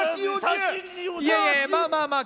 いやいやいやまあまあまあ